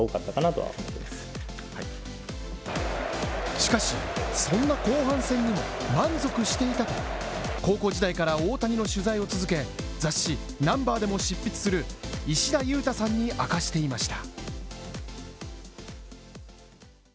しかし、そんな後半戦にも満足していた高校時代から大谷の取材を続け、雑誌「Ｎｕｍｂｅｒ」でも執筆する石田雄太さんに明かしていました。